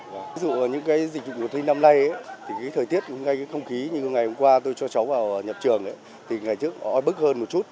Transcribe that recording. ví dụ những dịch vụ thi năm nay thì thời tiết cũng ngay không khí như ngày hôm qua tôi cho cháu vào nhập trường thì ngày trước bức hơn một chút